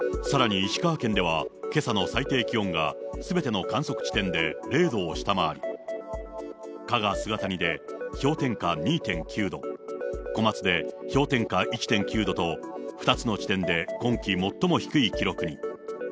さらに石川県では、けさの最低気温がすべての観測地点で０度を下回り、加賀菅谷で氷点下２．９度、小松で氷点下１．９度と、２つの地点で今季最も低い記録に。